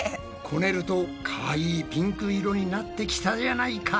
こねるとかわいいピンク色になってきたじゃないか！